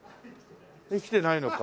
生きてないのか。